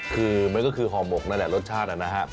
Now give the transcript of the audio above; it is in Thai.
คือมันก็คือห่อหมกนั่นแหละรสชาตินะฮะ